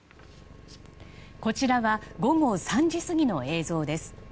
こちらは午後３時過ぎの映像です。